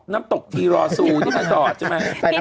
น้ำตกทีรอซูที่มาจอดใช่ไหม